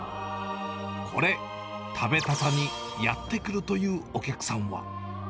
これ食べたさにやって来るというお客さんは。